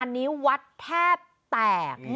อันนี้วัดแทบแตก